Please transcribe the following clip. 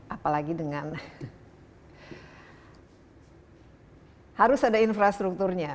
apalagi dengan harus ada infrastrukturnya